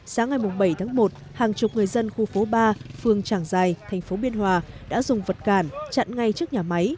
sáng ngày bảy tháng một hàng chục người dân khu phố ba phường trảng giài tp biên hòa đã dùng vật cản chặn ngay trước nhà máy